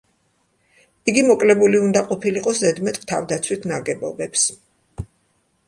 იგი მოკლებული უნდა ყოფილიყო ზედმეტ თავდაცვით ნაგებობებს.